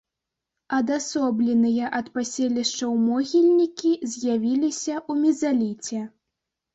Адасобленыя ад паселішчаў могільнікі з'явіліся ў мезаліце.